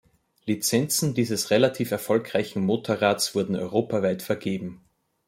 Lizenzen dieses relativ erfolgreichen Motorrads wurden europaweit vergeben.